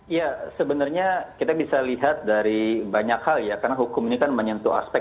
ya sebenarnya kita bisa lihat dari banyak hal ya karena hukum ini kan menyentuh aspek